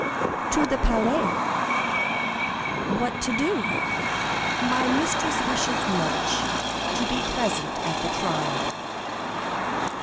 "To the Palais." "What to do?" "My mistress wishes much to be present at the trial."